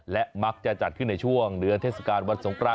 และมักจะจัดขึ้นในช่วงเดือนเทศกาลวันสงคราน